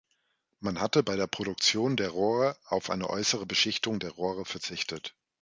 Man hatte bei der Produktion der Rohre auf eine äußere Beschichtung der Rohre verzichtet.